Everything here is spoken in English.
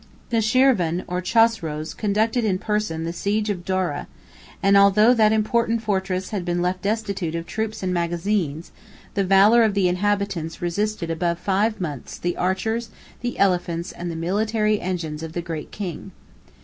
Nushirvan, or Chosroes, conducted in person the siege of Dara; and although that important fortress had been left destitute of troops and magazines, the valor of the inhabitants resisted above five months the archers, the elephants, and the military engines of the Great King.